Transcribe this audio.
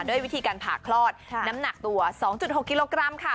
ด้วยวิธีการผ่าคลอดน้ำหนักตัว๒๖กิโลกรัมค่ะ